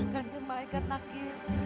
kan jangan mereka nakir